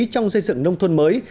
trong xây dựng nông thôn mới